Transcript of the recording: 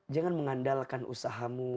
jangan mengandalkan usahamu